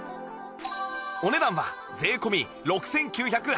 お値段は税込６９８０円